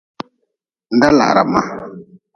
Da lahra ma.